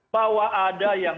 bahwa ada yang